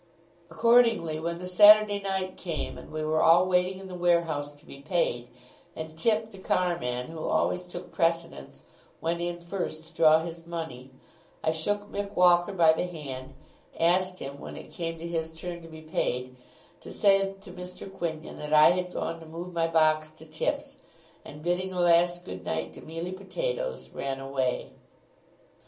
Accordingly, when the Saturday night came, and we were all waiting in the warehouse to be paid, and Tipp the carman, who always took precedence, went in first to draw his money, I shook Mick Walker by the hand; asked him, when it came to his turn to be paid, to say to Mr. Quinion that I had gone to move my box to Tipp's; and, bidding a last good night to Mealy Potatoes, ran away.